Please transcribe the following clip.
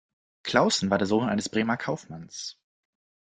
Claussen war der Sohn eines Bremer Kaufmanns.